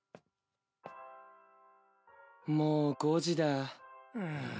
もう５時だ。